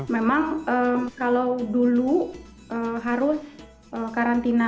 memang kalau dulu harus karantina